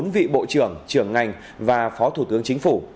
bốn vị bộ trưởng trưởng ngành và phó thủ tướng chính phủ